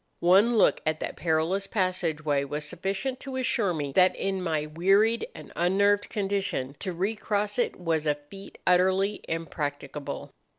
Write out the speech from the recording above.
One look at that perilous passage way was sufficient to assure me that in my wearied and unnerved condition to recross it was a feat utterly impracticable.